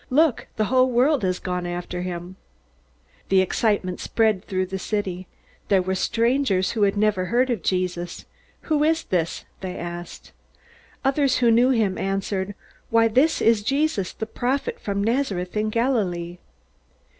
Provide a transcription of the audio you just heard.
"Look, the whole world has gone after him!" The excitement spread through the city. There were strangers there who had never heard of Jesus. "Who is this?" they asked. Others who knew him answered, "Why, this is Jesus, the prophet from Nazareth in Galilee."